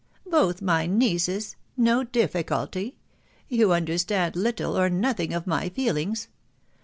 •r Both my nieces !... no difficulty !... You understand little or nothing of my feelings.